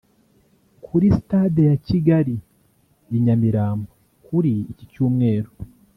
Kuri Stade ya Kigali i Nyamirambo kuri iki Cyumweru